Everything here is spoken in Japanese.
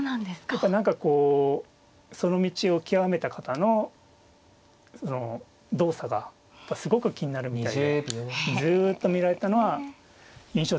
やっぱ何かこうその道を極めた方の動作がすごく気になるみたいでずっと見られてたのは印象的でしたね。